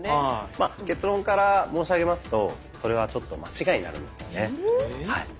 まあ結論から申し上げますとそれはちょっと間違えになるんですよね。